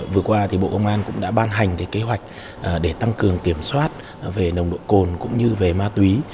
vừa qua bộ công an cũng đã ban hành kế hoạch để tăng cường kiểm soát về nồng độ cồn cũng như về ma túy